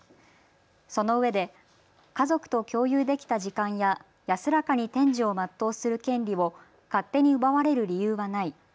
そのうえで家族と共有できた時間や安らかに天寿を全うする権利を勝手に奪われる理由はない。